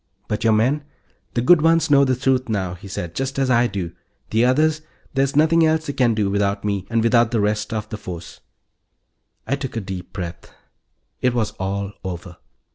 "But your men " "The good ones know the truth now," he said, "just as I do. The others ... there's nothing else they can do, without me and without the rest of the force." I took a deep breath. It was all over.